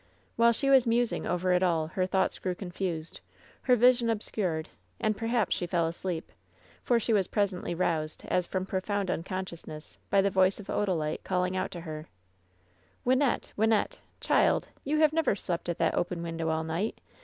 While she was musing over it all her thoughts grew confused, her vision obscured, and perhaps she fell asleep ; for she was presently roused as from profound unconsciousness by the voice of Odalite calling out to her: ''Wynnette ! Wynnette ! Child I you have never slept at that open window all night